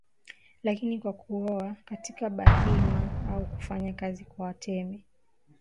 lakini kwa kuoa katika Bahima au kufanya kazi kwa Watemi